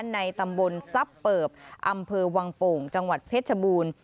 ในตำบลซับเปิบอำเภอวังโป่งจังหวัดเพชรบูรณ์